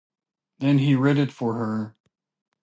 Then he read it for her.